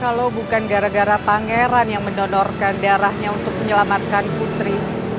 kalau bukan gara gara pangeran yang mendonorkan darahnya untuk menyelamatkan putri